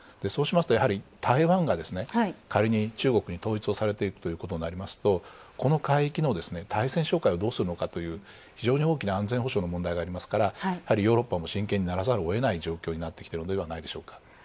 そうしますと、台湾が仮に中国に統一をされていくということになりますとこの海域の対潜哨戒はどうするのかという非常に大きな安全保障の問題がありますから、ヨーロッパも真剣にならざるをえない状況なのではないでしょうか。